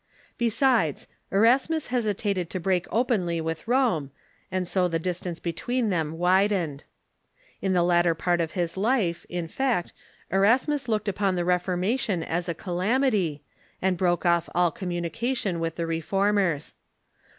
Besides, Erasmus hesitated to break openly with Rome, and so the distance between them widened. In the latter part of his life, in fact, Erasmus looked upon the Ref ormation as a calamity, and broke off all communication with the Reformers.